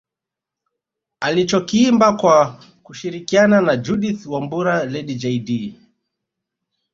Alichokiimba kwa kushirikiana na Judith Wambura Lady Jaydee